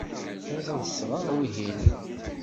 Bɣiɣ ad d-sɣeɣ wihin.